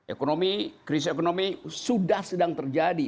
ekonomi krisis ekonomi sudah sedang terjadi